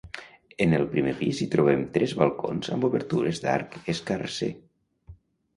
En el primer pis hi trobem tres balcons amb obertures d'arc escarser.